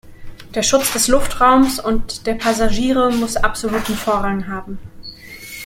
Der Schutz des Luftraums und der Passagiere muss absoluten Vorrang haben.